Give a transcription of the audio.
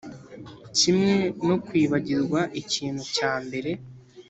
kimwe no kwibagirwa ikintu cya mbere